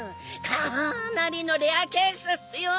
かなりのレアケースっすよ！